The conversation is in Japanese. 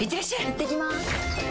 いってきます！